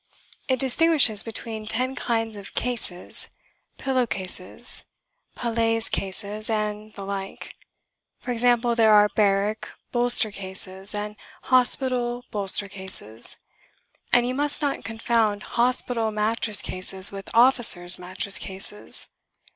It distinguishes between ten kinds of "Cases" pillow cases, paillasse cases, and the like: for example, there are "barrack" bolster cases and "hospital" bolster cases; and you must not confound "hospital" mattress cases with "officers'" mattress cases.